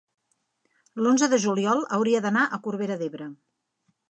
l'onze de juliol hauria d'anar a Corbera d'Ebre.